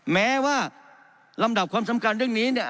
แม้ว่าลำดับความสำคัญเรื่องนี้เนี่ย